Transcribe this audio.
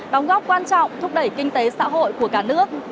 đóng góp quan trọng thúc đẩy kinh tế xã hội của cả nước